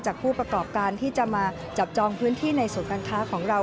ผู้ประกอบการที่จะมาจับจองพื้นที่ในศูนย์การค้าของเรา